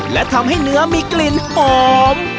และทำให้เนื้อมีกลิ่นหอม